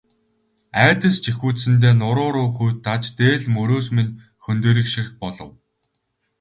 Айдас жихүүдсэндээ нуруу руу хүйт дааж, дээл мөрөөс минь хөндийрөх шиг болов.